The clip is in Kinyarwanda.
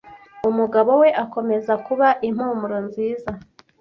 umugabo we akomeza kuba impumuro nziza